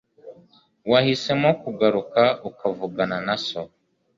Wahisemo kugaruka ukavugana na so.